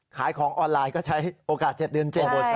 ขายของออนไลน์ก็ใช้โอกาส๗เดือน๗หมด